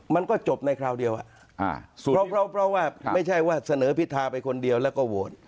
มันก็จบในคราวเดียวเพราะว่าไม่ใช่ว่าเสนอพิธาไปคนเดียวแล้วก็โหวต